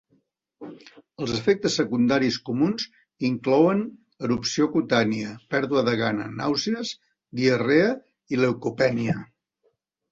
Els efectes secundaris comuns inclouen erupció cutània, pèrdua de gana, nàusees, diarrea i leucopènia.